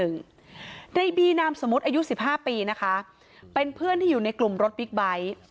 ในบีนามสมมุติอายุ๑๕ปีนะคะเป็นเพื่อนที่อยู่ในกลุ่มรถบิ๊กไบท์